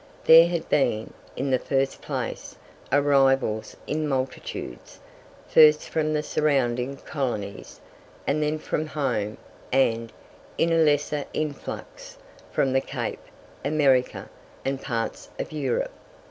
There had been, in the first place, arrivals in multitudes, first from the surrounding colonies, and then from Home, and, in a lesser influx, from the Cape, America, and parts of Europe.